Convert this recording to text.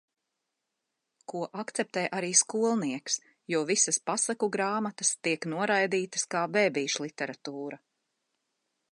Ko akceptē arī skolnieks, jo visas pasaku grāmatas tiek noraidītas kā bebīšliteratūra.